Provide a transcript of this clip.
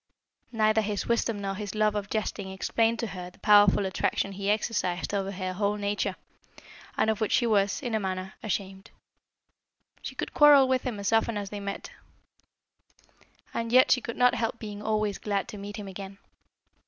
Neither his wisdom nor his love of jesting explained to her the powerful attraction he exercised over her whole nature, and of which she was, in a manner, ashamed. She could quarrel with him as often as they met, and yet she could not help being always glad to meet him again.